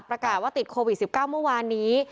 ประกาศว่าติดโควิด๑๙เมื่อวานนี้